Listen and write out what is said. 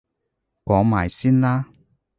講埋先啦